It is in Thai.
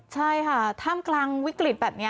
ใช่ค่ะท่ามกลางวิกฤตแบบนี้